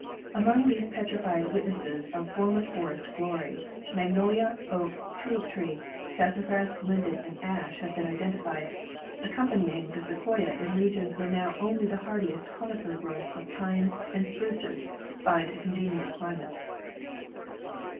Among these petrified witnesses of former forest glory, mag nolia, oak, tulip tree, sassafras, inden and ash have been iden tified, accompanying the sequoia in regions where now only the hardiest conifer growths of pines and spruces find a congenial climate.